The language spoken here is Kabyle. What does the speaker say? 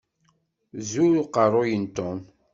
Zur uqerruy n Tom.